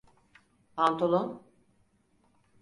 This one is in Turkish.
Pantolon.